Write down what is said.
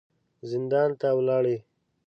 زندان ته ولاړې.